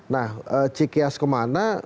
nah cikyas kemana